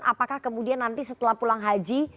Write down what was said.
apakah kemudian nanti setelah pulang haji